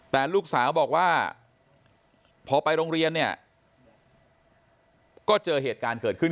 แต่ลูกสาวบอกว่าพอไปโรงเรียนเนี่ยก็เจอเหตุการณ์เกิดขึ้น